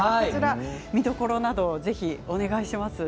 見どころなどをぜひお願いします。